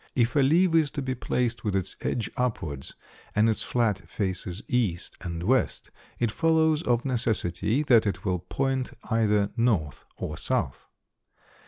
If a leaf is to be placed with its edge upwards and its flat faces east and west, it follows of necessity that it will point either north or south.